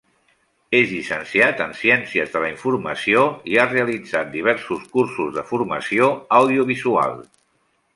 És llicenciat en Ciències de la informació, i ha realitzat diversos cursos de formació audiovisual.